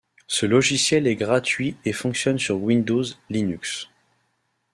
Ce logiciel est gratuit et fonctionne sur Windows, Linux.